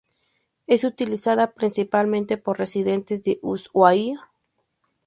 Es utilizada principalmente por residentes de Ushuaia.